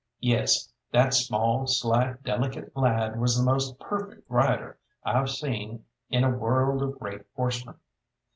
Yes, that small, slight, delicate lad was the most perfect rider I've seen in a world of great horsemen.